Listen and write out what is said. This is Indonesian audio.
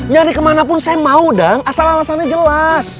nyari kemana pun saya mau dang asal alasannya jelas